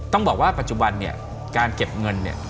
ต้องบอกว่าปัจจุบันเนี่ยการเก็บเงินเนี่ย